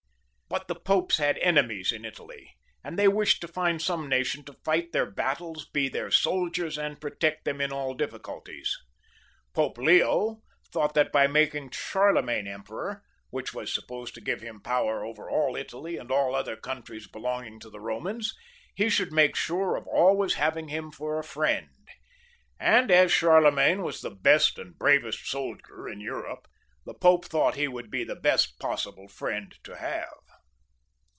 But the Popes had enemies in Italy, and they wished to find some nation to fight their battles, be their soldiers, and protect them in all difficulties. Pope Leo thought that by making Charlemagne emperor, which was sup posed to give him power over all Italy and all other countries belonging to the Bomans, he should make sure of always having hinn for a friend ; and as Charlemagne was the best and bravest soldier in Europe, the Pope thought he would be the best possible friend to have.